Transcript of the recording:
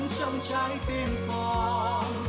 trong trái tim con